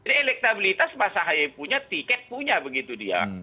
jadi elektabilitas mas ahe punya tiket punya begitu dia